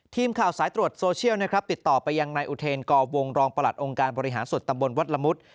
ทีมข่าวสายตรวจโซเชียลนะครับติดต่อไปยังนายอุเทนกอวงรองประหลัดองค์การบริหารส่วนตำบลวัดละมุด